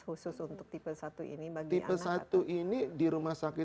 khusus untuk tipe satu ini bagi anak atau